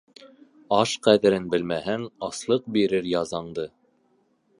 Аш ҡәҙерен белмәһәң, аслыҡ бирер язаңды.